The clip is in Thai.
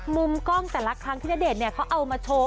มุมกล้องแต่ละครั้งที่ณเดชน์เขาเอามาโชว์